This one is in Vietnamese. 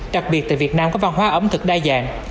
đặc biệt tại việt nam có văn hóa ẩm thực đa dạng